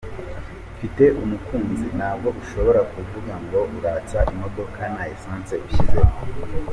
Mfite umukunzi…Ntabwo ushobora kuvuga ngo uratsa imodoka nta Essence ushyizemo!.